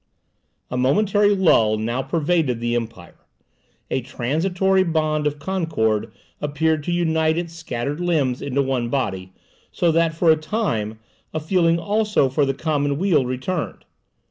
A momentary lull now pervaded the empire; a transitory bond of concord appeared to unite its scattered limbs into one body, so that for a time a feeling also for the common weal returned.